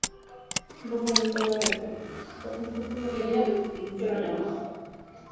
Rufo, mi perro, era feliz corriendo por la playa, yo lo llamaba…